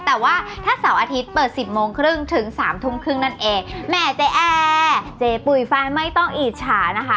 แต่ว่าถ้าเสาร์อาทิตย์เปิด๑๐โมงครึ่งถึง๓ทุ่มครึ่งนั่นเองแม่แจ๋แจ๋ปุ่ยฟ้าไม่ต้องอิชานะคะ